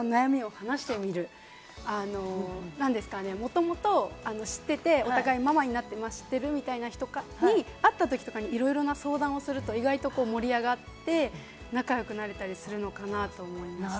もともと知っていて、お互いママになって、知ってるみたいな人に会ったときとかにいろいろな相談すると意外と盛り上がって仲良くなれたりするのかな？と思いました。